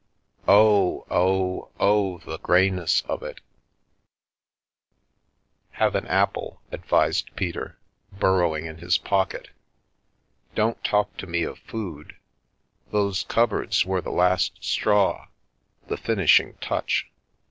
Oh, oh, oh, the grey ness of it !"" Have an apple," advised Peter, burrowing in his pocket. "Don't talk to me of food. Those cupboards were the last straw, the finishing touch.